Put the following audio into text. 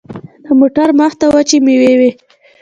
د موټر مخته وچې مېوې وې.